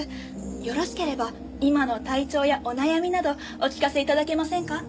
よろしければ今の体調やお悩みなどお聞かせ頂けませんか？